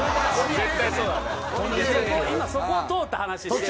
そこ今そこを通った話してない。